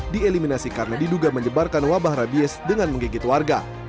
dieliminasi karena diduga menyebarkan wabah rabies dengan menggigit warga